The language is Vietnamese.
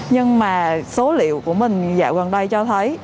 nhưng mà số liệu của mình dạo gần đây cho thấy